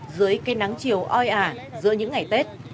dưới cây nắng chiều oi ả giữa những ngày tết